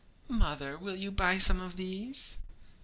'Mother, will you buy some of these?'